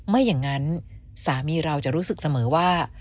ไม่อย่างนั้นสามีเราจะรู้สึกเสมอว่า